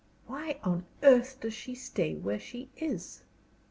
"Why on earth does she stay where she is?"